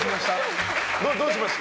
どうしました？